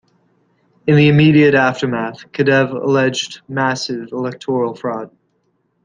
In the immediate aftermath, Kedev alleged massive electoral fraud.